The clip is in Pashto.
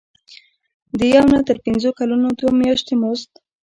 د یو نه تر پنځه کلونو دوه میاشتې مزد.